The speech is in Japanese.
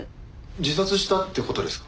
自殺したって事ですか？